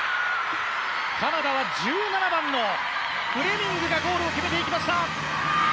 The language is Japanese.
カナダは１７番のフレミングがゴールを決めていきました！